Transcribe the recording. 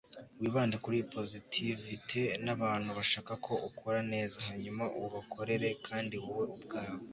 wibande kuri positivité n'abantu bashaka ko ukora neza; hanyuma, ubakorere kandi wowe ubwawe